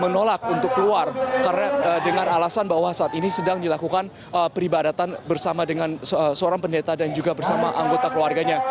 menolak untuk keluar karena dengan alasan bahwa saat ini sedang dilakukan peribadatan bersama dengan seorang pendeta dan juga bersama anggota keluarganya